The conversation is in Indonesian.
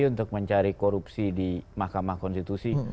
untuk mencari korupsi di mahkamah konstitusi